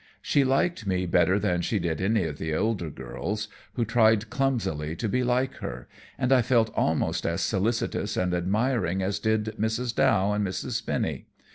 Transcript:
She liked me better than she did any of the older girls, who tried clumsily to be like her, and I felt almost as solicitous and admiring as did Mrs. Dow and Mrs. Spinny.